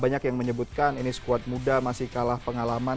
banyak yang menyebutkan ini squad muda masih kalah pengalaman